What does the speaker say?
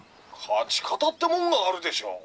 「勝ち方ってもんがあるでしょう！